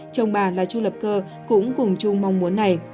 chồng bà là chu lập cơ cũng cùng chung mong muốn này